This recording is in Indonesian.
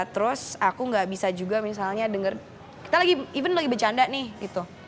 terus aku nggak bisa juga misalnya denger kita lagi even lagi bercanda nih gitu